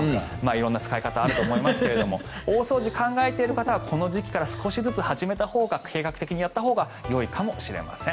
色んな使い方があると思いますが大掃除を考えている方はこの時期から少しずつ始めたほうが計画的にやったほうがいいかもしれません。